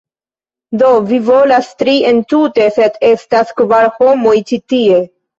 Do, vi volas tri entute, sed estas kvar homoj ĉi tie